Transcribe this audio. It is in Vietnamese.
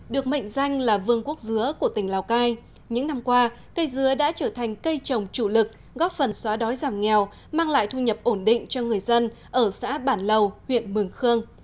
được mệnh danh là vương quốc dứa của tỉnh lào cai những năm qua cây dứa đã trở thành cây trồng chủ lực góp phần xóa đói giảm nghèo mang lại thu nhập ổn định cho người dân ở xã bản lầu huyện mường khương